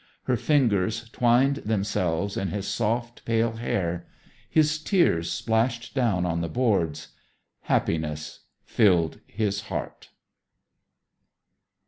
Her fingers twined themselves in his soft, pale hair. His tears splashed down on the boards; happiness filled his heart.